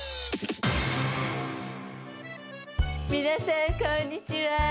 皆さんこんにちは。